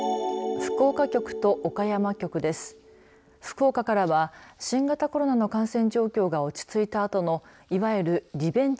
福岡からは新型コロナの感染状況が落ち着いたあとのいわゆるリベンジ